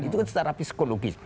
itu kan secara psikologis